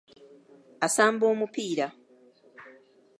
Asamba omupiira.